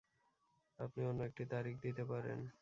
আপনি অন্য একটি তারিখ দিতে পারেন?